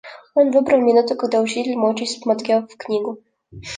Он выбрал минуту, когда учитель молча смотрел в книгу.